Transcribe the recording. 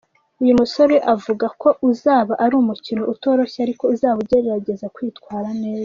Uyu musore avuga ko uzaba ari umukino utoroshye ariko azaba agerageza kwitwara neza.